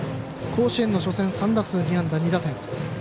甲子園の初戦３打数２安打２打点。